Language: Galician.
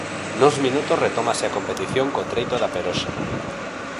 Nuns minutos retómase a competición co treito da Peroxa.